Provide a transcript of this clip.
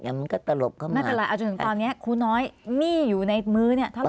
ยังมันก็ตลบเข้ามาน่าจะอะไรเอาจนถึงตอนนี้ครูน้อยหนี้อยู่ในมื้อนี่เท่าไหร่คะ